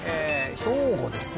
兵庫ですね